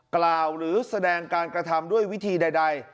กล่าวหรือแสดงการกระทำด้วยวิธีใด